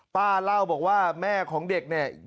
ป้าเล่าบอกว่าแม่ของเด็กเนี่ย